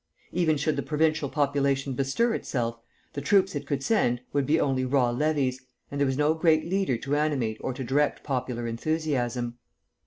Even should the provincial population bestir itself, the troops it could send would be only raw levies, and there was no great leader to animate or to direct popular enthusiasm.